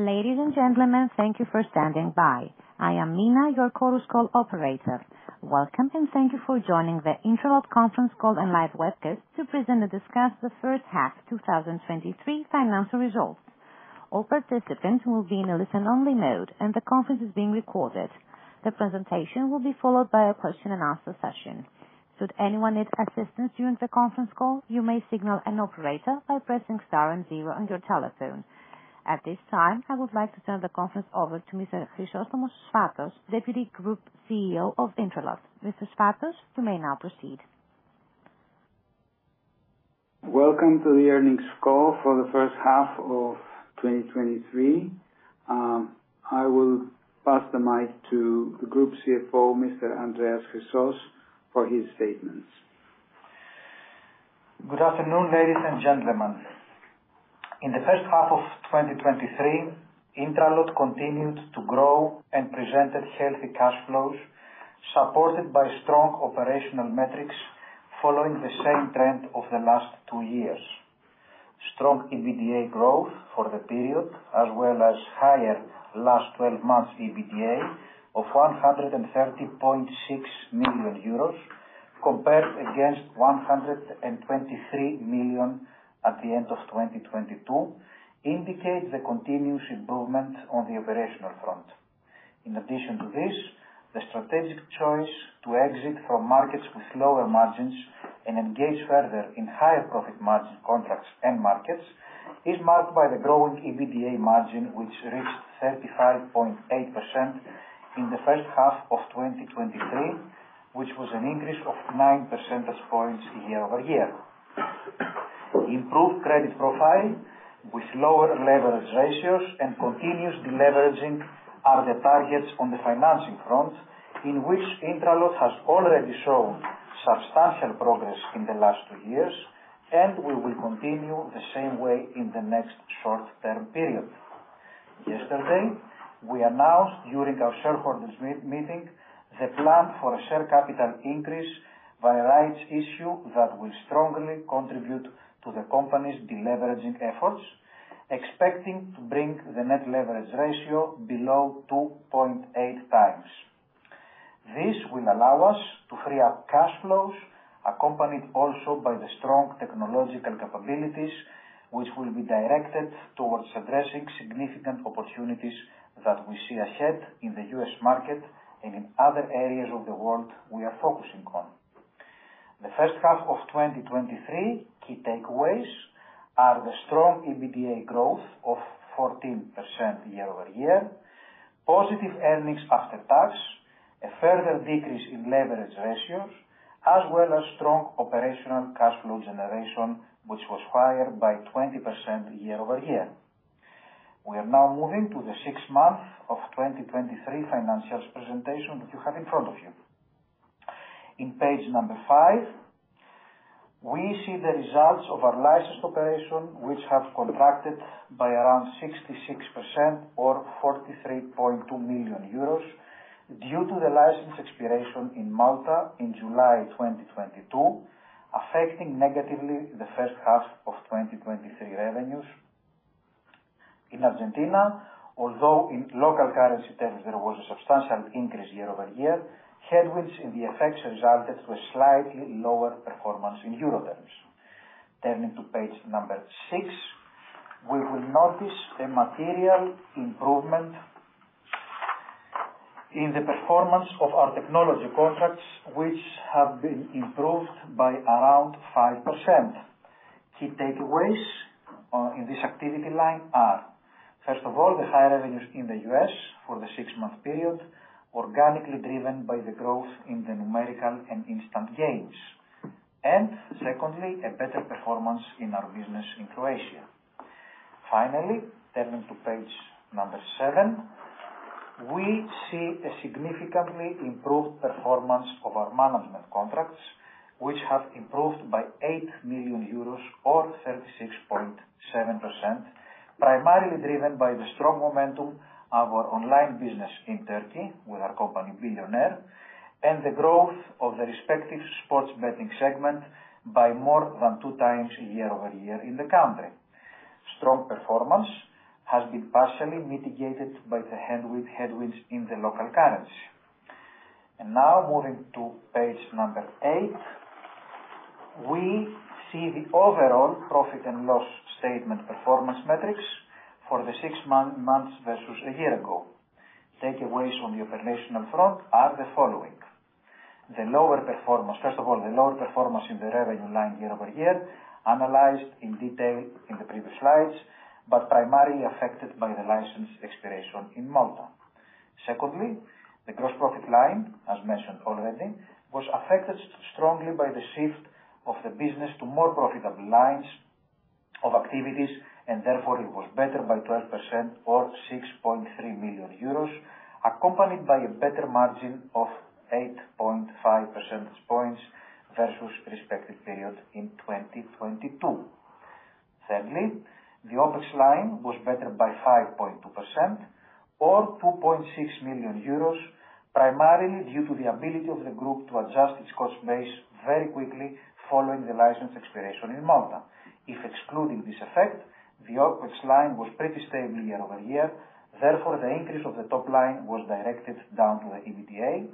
Ladies and gentlemen, thank you for standing by. I am Mina, your Chorus Call operator. Welcome, and thank you for joining the INTRALOT conference call and live webcast to present and discuss the first half, 2023 financial results. All participants will be in a listen-only mode, and the conference is being recorded. The presentation will be followed by a question-and-answer session. Should anyone need assistance during the conference call, you may signal an operator by pressing star and zero on your telephone. At this time, I would like to turn the conference over to Mr. Chrysostomos Sfatos, Deputy Group CEO of INTRALOT. Mr. Sfatos, you may now proceed. Welcome to the earnings call for the first half of 2023. I will pass the mic to the Group CFO, Mr. Andreas Chrysos, for his statements. Good afternoon, ladies and gentlemen. In the first half of 2023, INTRALOT continued to grow and presented healthy cash flows, supported by strong operational metrics following the same trend of the last two years. Strong EBITDA growth for the period, as well as higher last twelve months EBITDA of 130.6 million euros, compared against 123 million at the end of 2022, indicates the continuous improvement on the operational front. In addition to this, the strategic choice to exit from markets with lower margins and engage further in higher profit margin contracts and markets is marked by the growing EBITDA margin, which reached 35.8% in the first half of 2023, which was an increase of nine percentage points year-over-year. Improved credit profile with lower leverage ratios and continuous deleveraging are the targets on the financing front, in which INTRALOT has already shown substantial progress in the last two years, and we will continue the same way in the next short-term period. Yesterday, we announced during our shareholders' meeting the plan for a share capital increase by a rights issue that will strongly contribute to the company's deleveraging efforts, expecting to bring the net leverage ratio below 2.8x. This will allow us to free up cash flows, accompanied also by the strong technological capabilities, which will be directed towards addressing significant opportunities that we see ahead in the US market and in other areas of the world we are focusing on. The first half of 2023 key takeaways are the strong EBITDA growth of 14% year-over-year, positive earnings after tax, a further decrease in leverage ratios, as well as strong operational cash flow generation, which was higher by 20% year-over-year. We are now moving to the six months of 2023 financials presentation that you have in front of you. On page 5, we see the results of our licensed operation, which have contracted by around 66% or 43.2 million euros, due to the license expiration in Malta in July 2022, affecting negatively the first half of 2023 revenues. In Argentina, although in local currency terms, there was a substantial increase year-over-year, headwinds and the effects resulted to a slightly lower performance in euro terms. Turning to page 6, we will notice a material improvement in the performance of our technology contracts, which have been improved by around 5%. Key takeaways in this activity line are, first of all, the high revenues in the US for the six-month period, organically driven by the growth in the numerical and instant games. And secondly, a better performance in our business in Croatia. Finally, turning to page 7, we see a significantly improved performance of our management contracts, which have improved by 8 million euros, or 36.7%, primarily driven by the strong momentum of our online business in Turkey with our company, Bilyoner, and the growth of the respective sports betting segment by more than 2 times year-over-year in the country. Strong performance has been partially mitigated by the headwinds in the local currency. And now moving to page number 8, we see the overall profit and loss statement performance metrics for the six months versus a year ago. Takeaways on the operational front are the following: the lower performance. First of all, the lower performance in the revenue line year-over-year, analyzed in detail in the previous slides, but primarily affected by the license expiration in Malta. Secondly, the gross profit line, as mentioned already, was affected strongly by the shift of the business to more profitable lines of activities, and therefore it was better by 12% or 6.3 million euros, accompanied by a better margin of 8.5 percentage points versus the respective period in 2022. Thirdly, the operating line was better by 5.2%. or 2.6 million euros, primarily due to the ability of the group to adjust its cost base very quickly following the license expiration in Malta. If excluding this effect, the OPEX line was pretty stable year-over-year. Therefore, the increase of the top line was directed down to the EBITDA,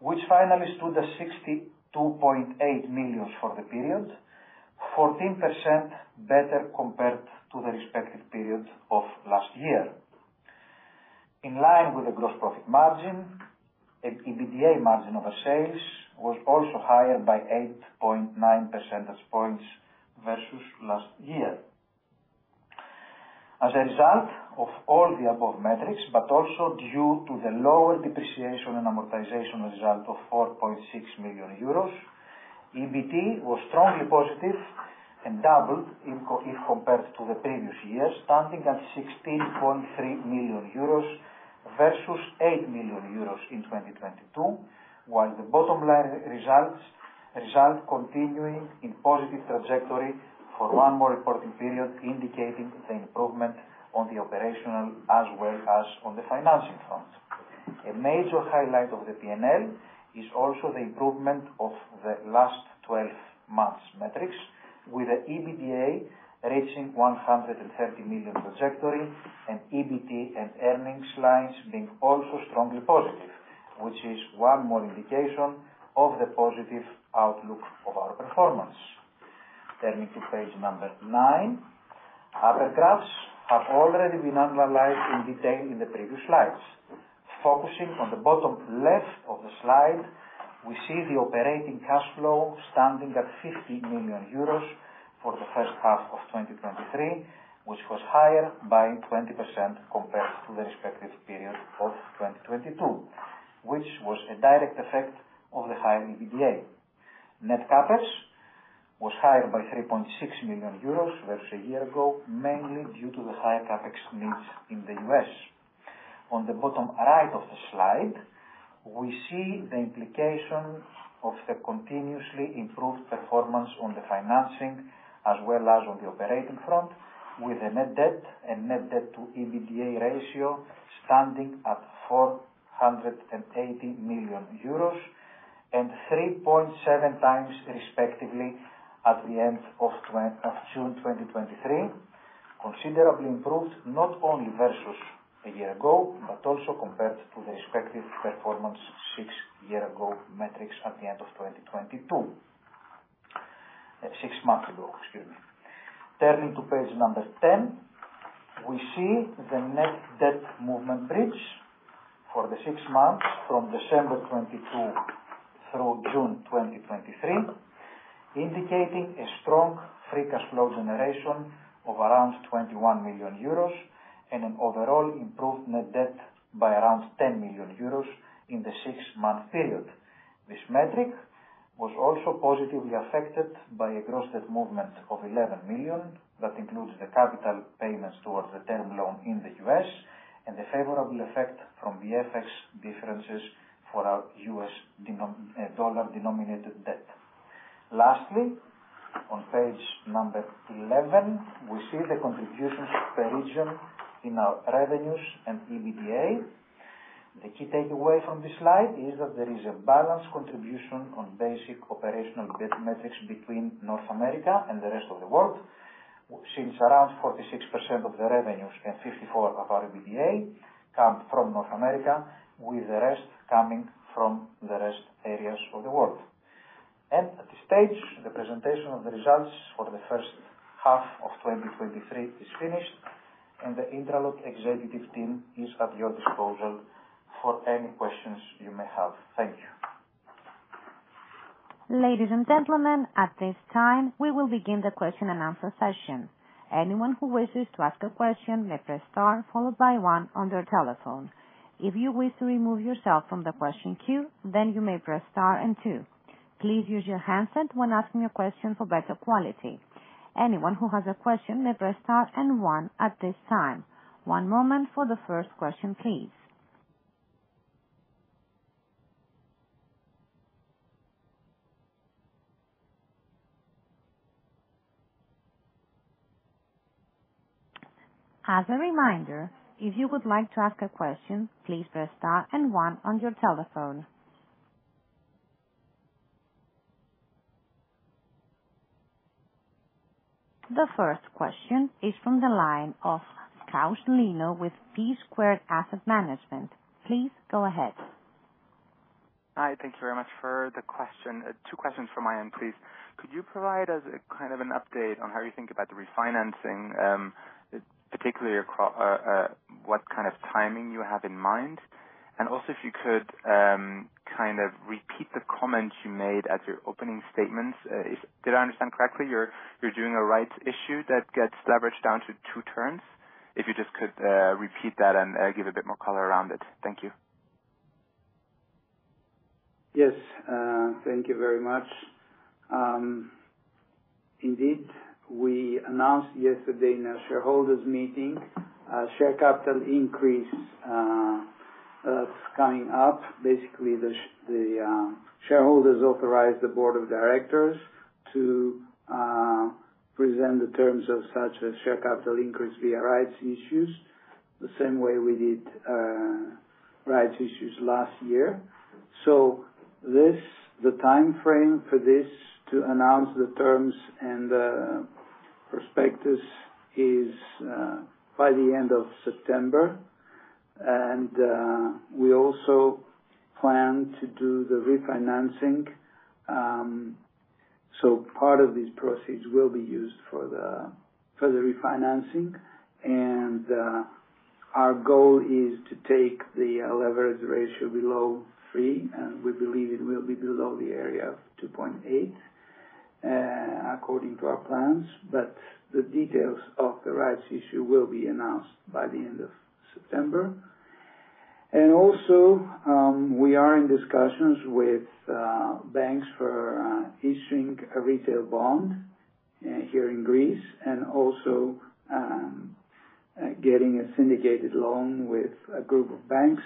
which finally stood at 62.8 million for the period, 14% better compared to the respective period of last year. In line with the gross profit margin, and EBITDA margin over sales was also higher by 8.9 percentage points versus last year. As a result of all the above metrics, but also due to the lower depreciation and amortization result of 4.6 million euros, EBT was strongly positive and doubled if compared to the previous year, standing at 16.3 million euros versus 8 million euros in 2022. While the bottom line results continuing in positive trajectory for one more reporting period, indicating the improvement on the operational as well as on the financing front. A major highlight of the P&L is also the improvement of the last 12 months metrics, with the EBITDA reaching 130 million trajectory and EBT and earnings lines being also strongly positive, which is one more indication of the positive outlook of our performance. Turning to page 9. Upper graphs have already been analyzed in detail in the previous slides. Focusing on the bottom left of the slide, we see the operating cash flow standing at 50 million euros for the first half of 2023, which was higher by 20% compared to the respective period of 2022, which was a direct effect of the high EBITDA. Net CapEx was higher by 3.6 million euros versus a year ago, mainly due to the higher CapEx needs in the US On the bottom right of the slide, we see the implication of the continuously improved performance on the financing as well as on the operating front, with a net debt and net debt to EBITDA ratio standing at 480 million euros and 3.7 times, respectively, at the end of June 2023. Considerably improved not only versus a year ago, but also compared to the respective performance 6 year ago metrics at the end of 2022. 6 months ago, excuse me. Turning to page number 10, we see the net debt movement bridge for the 6 months from December 2022 through June 2023, indicating a strong free cash flow generation of around 21 million euros and an overall improved net debt by around 10 million euros in the 6-month period. This metric was also positively affected by a gross debt movement of 11 million. That includes the capital payments towards the term loan in the US and the favorable effect from the FX differences for our US dollar-denominated debt. Lastly, on page number 11, we see the contributions per region in our revenues and EBITDA. The key takeaway from this slide is that there is a balanced contribution on basic operational debt metrics between North America and the rest of the world, since around 46% of the revenues and 54% of our EBITDA come from North America, with the rest coming from the rest areas of the world. At this stage, the presentation of the results for the first half of 2023 is finished, and the INTRALOT executive team is at your disposal for any questions you may have. Thank you. Ladies and gentlemen, at this time, we will begin the question and answer session. Anyone who wishes to ask a question may press star, followed by one on their telephone. If you wish to remove yourself from the question queue, then you may press star and two. Please use your handset when asking a question for better quality. Anyone who has a question may press star and one at this time. One moment for the first question, please. As a reminder, if you would like to ask a question, please press star and one on your telephone. The first question is from the line of Scott Lino with PSquared Asset Management. Please go ahead. Hi, thank you very much for the question. Two questions from my end, please. Could you provide us a kind of an update on how you think about the refinancing, particularly what kind of timing you have in mind? And also, if you could, kind of repeat the comments you made at your opening statements. Did I understand correctly, you're, you're doing a Rights Issue that gets leveraged down to two turns? If you just could, repeat that and, give a bit more color around it. Thank you. Yes. Thank you very much. Indeed, we announced yesterday in our shareholders' meeting a share capital increase coming up, basically, the shareholders authorized the board of directors to present the terms of such a share capital increase via rights issues, the same way we did rights issues last year. So this, the timeframe for this, to announce the terms and prospectus is by the end of September. And we also plan to do the refinancing, so part of these proceeds will be used for the refinancing. And our goal is to take the leverage ratio below three, and we believe it will be below the area of 2.8 according to our plans. But the details of the rights issue will be announced by the end of September. Also, we are in discussions with banks for issuing a retail bond here in Greece, and also getting a syndicated loan with a group of banks.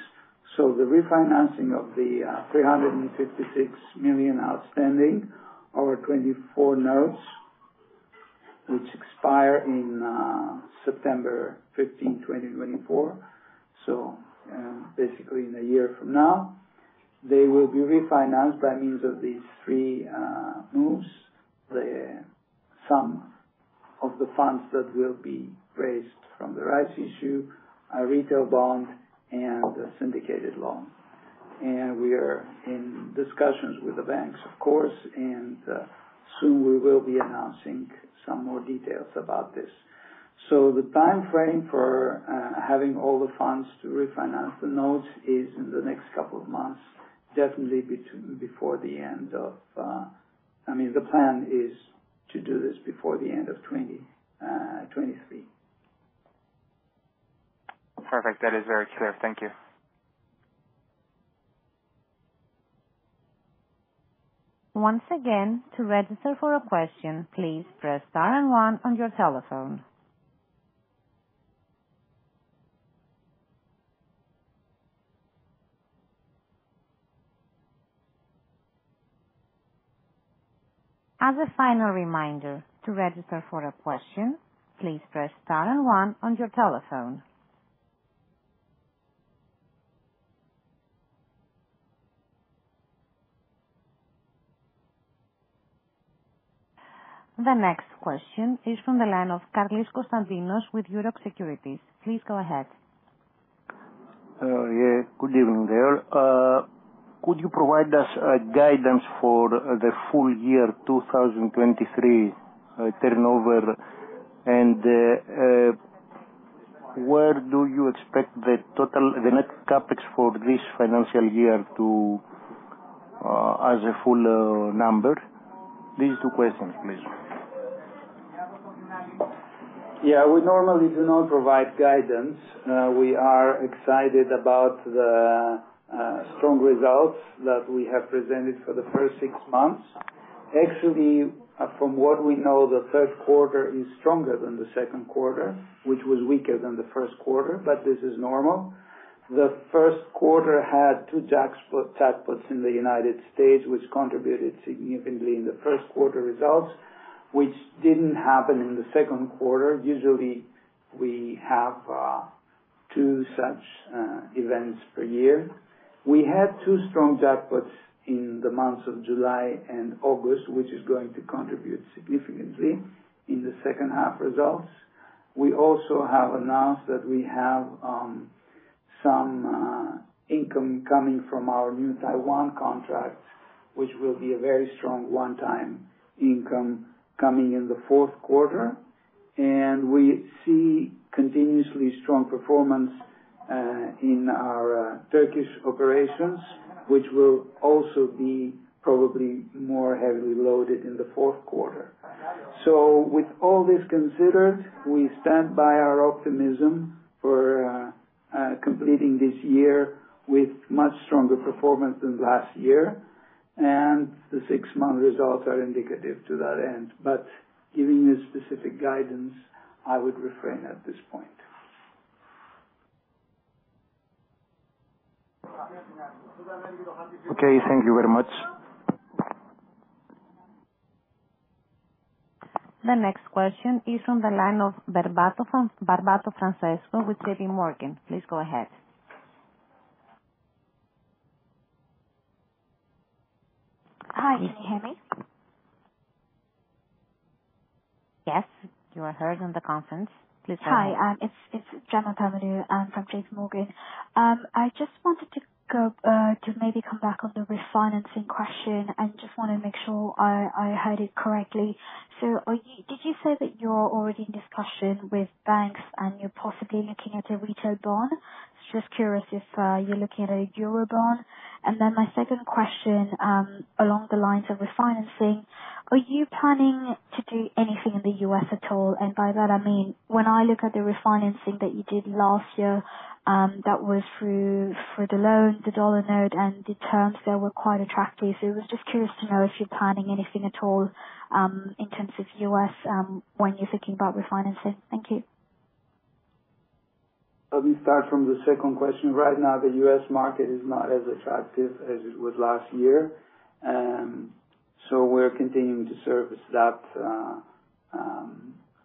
So the refinancing of the 356 million outstanding 2024 notes, which expire in September 15, 2024. So, basically, in a year from now, they will be refinanced by means of these three moves. The sum of the funds that will be raised from the rights issue, a retail bond and a syndicated loan. And we are in discussions with the banks, of course, and soon we will be announcing some more details about this. So the timeframe for having all the funds to refinance the notes is in the next couple of months, definitely before the end of, I mean, the plan is to do this before the end of 2023. Perfect. That is very clear. Thank you. Once again, to register for a question, please press star and one on your telephone. As a final reminder, to register for a question, please press star and one on your telephone. The next question is from the line of Konstantinos Karlis with Euroxx Securities. Please go ahead. Yeah, good evening there. Could you provide us a guidance for the full year, 2023, turnover? And, where do you expect the total, the net CapEx for this financial year to, as a full, number? These two questions, please. Yeah, we normally do not provide guidance. We are excited about the strong results that we have presented for the first six months. Actually, from what we know, the Q3 is stronger than the Q2, which was weaker than the Q1, but this is normal. The Q1 had two jackpots, jackpots in the United States, which contributed significantly in the Q1 results, which didn't happen in the Q2. Usually, we have two such events per year. We had two strong jackpots in the months of July and August, which is going to contribute significantly in the second half results. We also have announced that we have some income coming from our new Taiwan contract, which will be a very strong one-time income coming in the Q4. We see continuously strong performance in our Turkish operations, which will also be probably more heavily loaded in the Q4. With all this considered, we stand by our optimism for completing this year with much stronger performance than last year, and the six-month results are indicative to that end. Giving you specific guidance, I would refrain at this point. Okay, thank you very much. The next question is from the line of Francesco Barbato with JP Morgan. Please go ahead. Hi, can you hear me? Yes, you are heard on the conference. Please go ahead. Hi, it's Gemma Pavlu from J.P. Morgan. I just wanted to go to maybe come back on the refinancing question and just want to make sure I heard it correctly. So are you, did you say that you're already in discussion with banks, and you're possibly looking at a retail bond? Just curious if you're looking at a euro bond. And then my second question along the lines of refinancing, are you planning to do anything in the US at all? And by that, I mean, when I look at the refinancing that you did last year, that was through for the loan, the dollar note, and the terms there were quite attractive. So I was just curious to know if you're planning anything at all in terms of US when you're thinking about refinancing. Thank you.... Let me start from the second question. Right now, the US market is not as attractive as it was last year, and so we're continuing to service that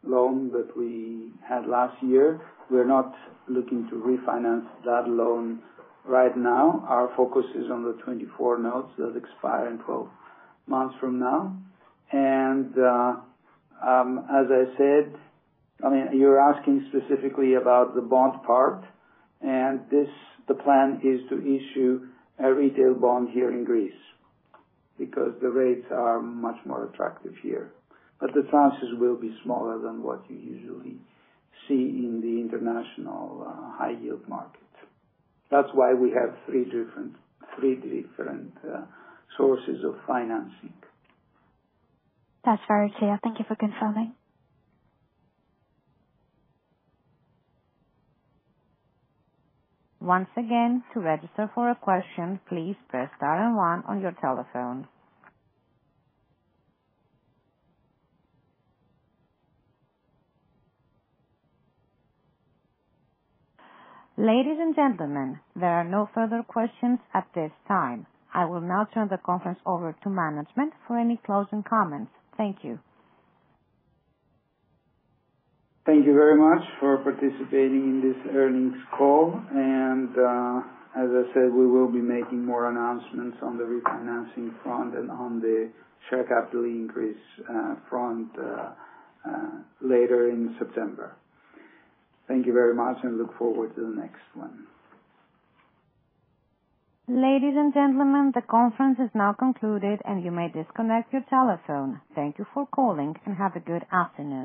loan that we had last year. We're not looking to refinance that loan right now. Our focus is on the 2024 notes that expire in 12 months from now. As I said, I mean, you're asking specifically about the bond part, and this, the plan is to issue a retail bond here in Greece because the rates are much more attractive here. But the tranches will be smaller than what you usually see in the international high yield market. That's why we have three different sources of financing. That's very clear. Thank you for confirming. Once again, to register for a question, please press star and one on your telephone. Ladies and gentlemen, there are no further questions at this time. I will now turn the conference over to management for any closing comments. Thank you. Thank you very much for participating in this earnings call. As I said, we will be making more announcements on the refinancing front and on the share capital increase front later in September. Thank you very much, and look forward to the next one. Ladies and gentlemen, the conference is now concluded, and you may disconnect your telephone. Thank you for calling, and have a good afternoon.